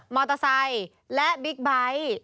มอเตอร์ไซค์และบิ๊กไบท์